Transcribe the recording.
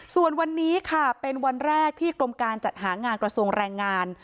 ส่วนวันนี้ค่ะเป็นวันแรกที่กรมการจัดหางานกระทรวงแรงงาน